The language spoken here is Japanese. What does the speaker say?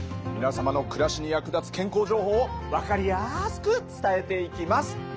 皆様の暮らしに役立つ健康情報を分かりやすく伝えていきます。